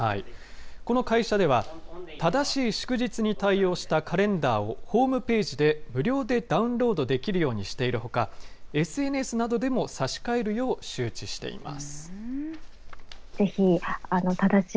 この会社では、正しい祝日に対応したカレンダーを、ホームページで無料でダウンロードできるようにしているほか、ＳＮＳなどでも差し替えるよう周知しています。